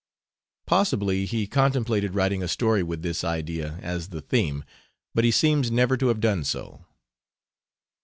Possibly he contemplated writing a story with this idea as the theme, but He seems never to have done so.